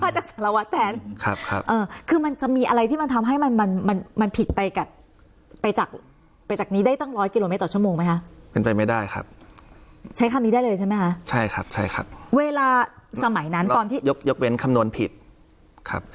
ใช้คำนี้ได้เลยใช่ไหมฮะใช่ครับใช่ครับเวลาสมัยนั้นตอนที่ยกยกเว้นคำนวณผิดครับ